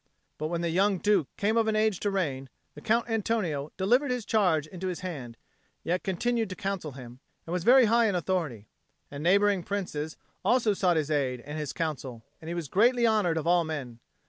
But when the young Duke came of an age to reign, the Count Antonio delivered his charge into his hand, yet continued to counsel him, and was very high in authority. And neighbouring princes also sought his aid and his counsel, and he was greatly honoured of all men.